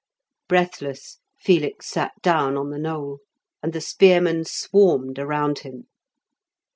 Breathless, Felix sat down on the knoll, and the spearmen swarmed around him.